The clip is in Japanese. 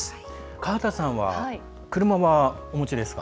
川田さんは車はお持ちですか？